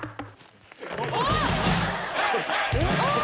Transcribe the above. おっ！